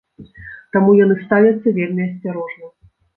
Таму яны ставяцца вельмі асцярожна.